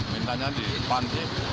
mintanya di depan